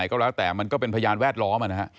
ก็แล้วแต่มันเป็นพยายามแวดล้อมัน